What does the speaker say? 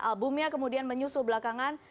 albumnya kemudian menyusul belakangan